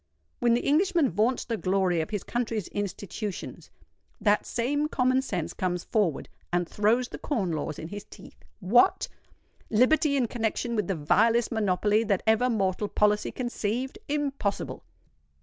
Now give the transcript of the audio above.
When the Englishman vaunts the glory of his country's institutions, that same Common Sense comes forward and throws the Corn Laws in his teeth. What! liberty in connexion with the vilest monopoly that ever mortal policy conceived? Impossible!